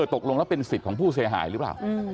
ตกลงแล้วเป็นสิทธิ์ของผู้เสียหายหรือเปล่า